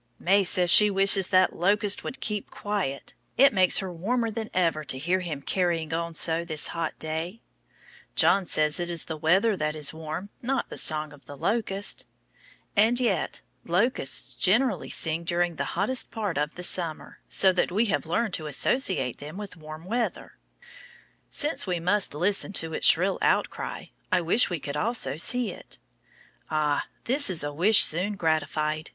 May says she wishes that locust would keep quiet. It makes her warmer than ever to hear him carrying on so this hot day. John says it is the weather that is warm, not the song of the locust. And yet, locusts generally sing during the hottest part of the summer, so that we have learned to associate them with warm weather. Since we must listen to its shrill out cry, I wish we could also see it. Ah, that is a wish soon gratified!